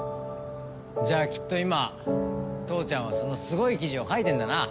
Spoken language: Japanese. じゃあきっと今父ちゃんはそのすごい記事を書いてるんだな。